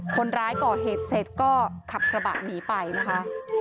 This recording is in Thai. คนร้ายก่อเหตุเสร็จก็ขับกระบะหนีไปนะคะ